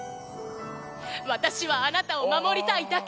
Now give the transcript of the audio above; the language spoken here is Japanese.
私はあなたを守りたいだけなの！